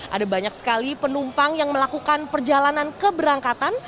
ada banyak sekali penumpang yang melakukan perjalanan keberangkatan